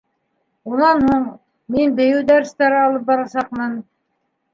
Унан һуң... мин бейеү дәрестәре алып барасаҡмын.